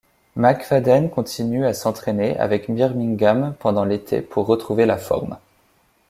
McFadden continue à s’entraîner avec Birmingham pendant l'été pour retrouver la forme.